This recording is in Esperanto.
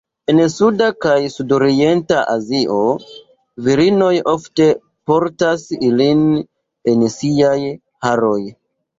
En suda kaj sudorienta Azio, virinoj ofte portas ilin en siaj haroj.